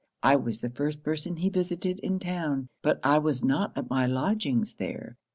I was the first person he visited in town; but I was not at my lodgings there.